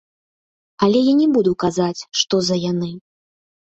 Але я не буду казаць, што за яны.